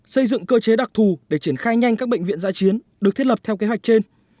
xây dựng cơ chế đặc thù để triển khai nhanh các bệnh viện giã chiến được thiết lập theo kế hoạch trên